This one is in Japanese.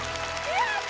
やった？